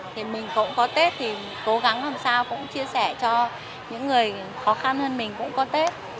thì mình cũng có tết thì cố gắng làm sao cũng chia sẻ cho những người khó khăn hơn mình cũng có tết